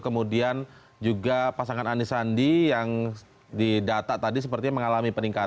kemudian juga pasangan ani sandi yang didata tadi sepertinya mengalami